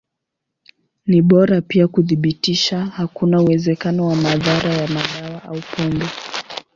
Ni bora pia kuthibitisha hakuna uwezekano wa madhara ya madawa au pombe.